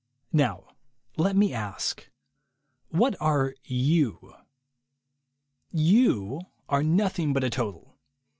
Now let me ask. What are you? You are noth ing but a total.